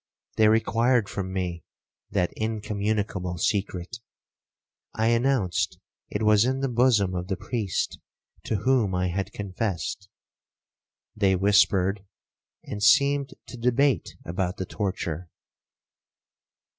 They required from me that incommunicable secret; I announced it was in the bosom of the priest to whom I had confessed. They whispered, and seemed to debate about the torture.